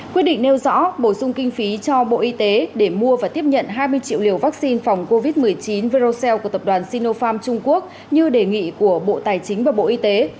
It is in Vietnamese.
quyết định nêu rõ bổ sung kinh phí cho bộ y tế để mua và tiếp nhận hai mươi triệu liều vaccine phòng covid một mươi chín verocell của tập đoàn sinopharm trung quốc như đề nghị của bộ tài chính và bộ y tế